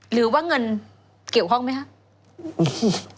หรือว่าเงินเกี่ยวข้องไหมครับ